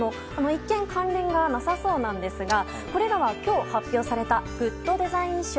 一見、関連がなさそうなんですがこれらは今日発表されたグッドデザイン賞